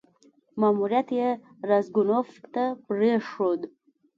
ماموریت یې راسګونوف ته پرېښود.